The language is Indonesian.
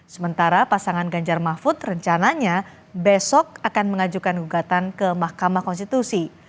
sementara pasangan ganjar mahfud rencananya besok akan mengajukan gugatan ke mahkamah konstitusi